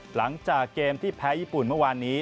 หลังจากเกมที่แพ้ญี่ปุ่นเมื่อวานนี้